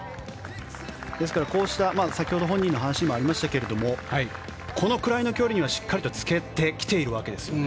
ですから、先ほど本人の話にもありましたけれどこのくらいの距離にはしっかりとつけてきてるわけですよね。